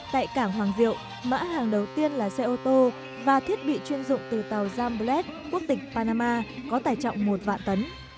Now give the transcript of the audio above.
tại cảng hoàng diệu mã hàng đầu tiên là xe ô tô và thiết bị chuyên dụng từ tàu zamblet quốc tịch panama có tải trọng một vạn tấn